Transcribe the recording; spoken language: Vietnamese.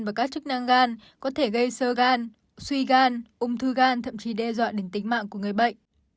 và các chức năng gan có thể gây sơ gan suy gan ung thư gan thậm chí đe dọa đến tính mạng của người bệnh